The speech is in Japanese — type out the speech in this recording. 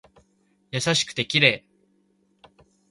優しくて綺麗